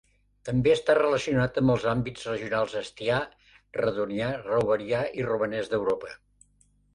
També està relacionat amb els àmbits regionals astià, redonià, reuverià i romanès d"Europa.